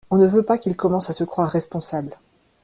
On ne veut pas qu’il commence à se croire responsable.